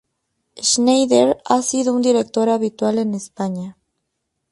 Schneider ha sido un director habitual en España.